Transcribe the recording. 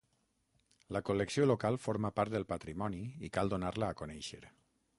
La col·lecció local forma part del patrimoni i cal donar-la a conèixer.